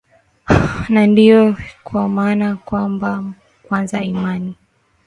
na ndiyo kwa maana kwamba kwanza imani